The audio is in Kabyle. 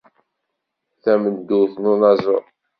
Tameddurt n unaẓur.